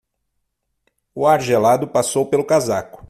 O ar gelado passou pelo casaco.